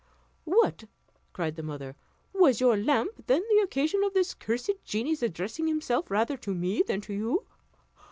"What!" cried the mother, "was your lamp then the occasion of that cursed genie's addressing himself rather to me than to you?